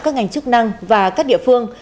các ngành chức năng và các địa phương